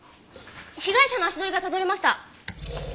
被害者の足取りがたどれました！